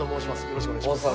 よろしくお願いします。